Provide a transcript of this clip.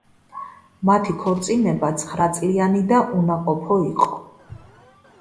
მათი ქორწინება ცხრაწლიანი და უნაყოფო იყო.